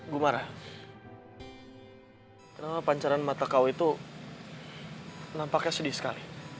kenapa pancaran mata kau itu nampaknya sedih sekali